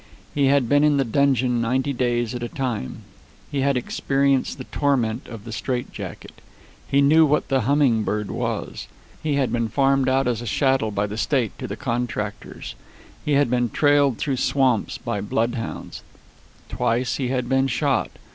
He had been in the dungeon ninety days at a time. He had experienced the torment of the straightjacket. He knew what the humming bird was. He had been farmed out as a chattel by the state to the contractors. He had been trailed through swamps by bloodhounds. Twice he had been shot.